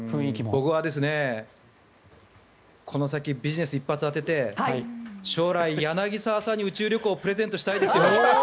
僕はこの先ビジネスを一発当てて将来、柳澤さんに宇宙旅行をプレゼントしたいですよ。